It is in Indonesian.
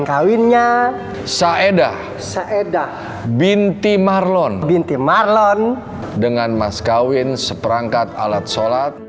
kawinnya saedah saedah binti marlon binti marlon dengan mas kawin seperangkat alat sholat